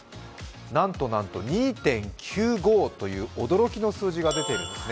なんとなんと２．９５という驚きの数字が出ているんですね。